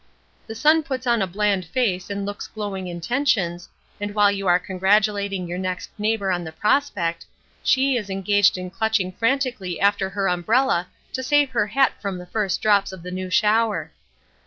The sun puts on a bland face and looks glowing intentions, and while you are congratulating your next neighbor on the prospect, she is engaged in clutching frantically after her umbrella to save her hat from the first drops of the new shower.